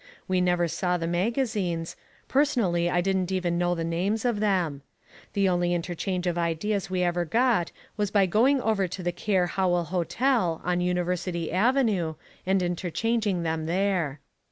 We never saw the magazines, personally I didn't even know the names of them. The only interchange of ideas we ever got was by going over to the Caer Howell Hotel on University Avenue and interchanging them there.